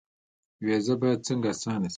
ویزه باید څنګه اسانه شي؟